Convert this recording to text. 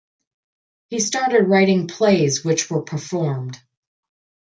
He started writing plays which were performed.